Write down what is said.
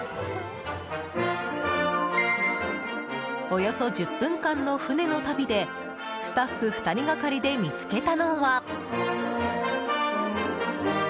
およそ１０分間の船の旅でスタッフ２人がかりで見つけたのは。